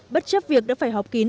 bất chấp việc đã phải họp kín